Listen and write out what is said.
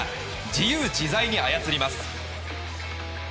自由自在に操ります。